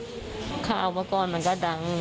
ค่ะค่ะเอามาก่อนมันก็ดัง